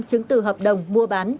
chứng từ hợp đồng mua bán